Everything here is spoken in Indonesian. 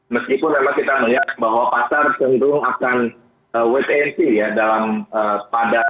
meskipun kita melihat bahwa pasar tentu akan wait and see ya